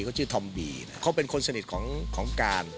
เขาชื่อธอมบีเขาเป็นคนสนิทของการ